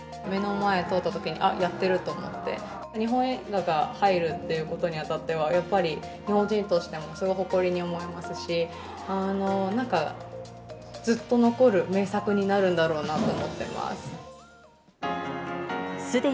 目の前を通ったときに、あっ、やってると思って、日本映画が入るっていうことにあたっては、やっぱり日本人としてもとても誇りに思いますし、なんかずっと残る名作になるんだろうなと思ってます。